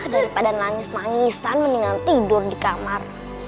daripada nangis nangisan mendingan tidur di kamar